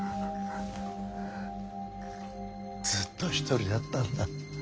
ずっと一人だったんだ。